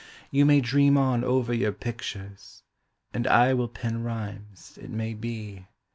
You may dream on over your pictures, and I will pen rhymes, it may be.